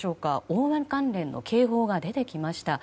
大雨関連の警報が出てきました。